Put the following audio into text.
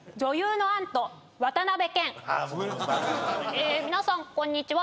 え皆さんこんにちは。